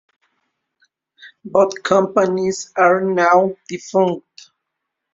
Both companies are now defunct.